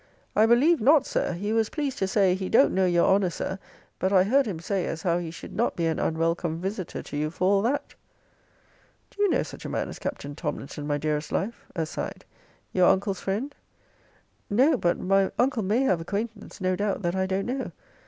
I believe not, Sir. He was pleased to say, he don't know your honor, Sir; but I heard him say as how he should not be an unwelcome visiter to you for all that. Do you know such a man as Captain Tomlinson, my dearest life, [aside,] your uncle's friend? No; but my uncle may have acquaintance, no doubt, that I don't know.